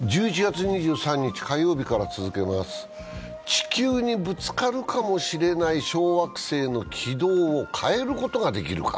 地球にぶつかるかもしれない小惑星の軌道を変えることができるか。